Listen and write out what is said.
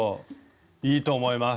いいと思います。